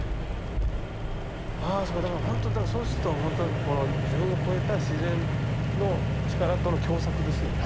ああすごいだからそうするとほんとに自分を超えた自然の力との共作ですよね。